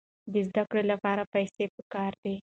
د زده کړې لپاره پیسې پکار دي.